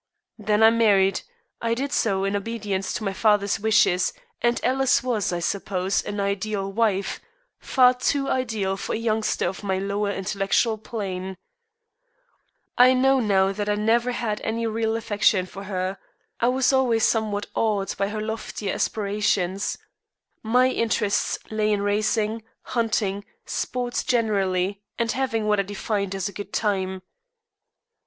Then I married. I did so in obedience to my father's wishes, and Alice was, I suppose, an ideal wife far too ideal for a youngster of my lower intellectual plane. I know now that I never had any real affection for her. I was always somewhat awed by her loftier aspirations. My interests lay in racing, hunting, sports generally, and having what I defined as "a good time."